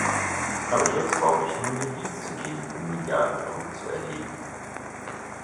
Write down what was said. Aber jetzt brauche ich nur in den Dienst zu gehen, um Milliardenbetrug zu erleben.